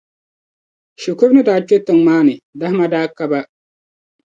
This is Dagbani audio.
Shikuru ni daa kpe tiŋa maa ni, dahima daa ka ba.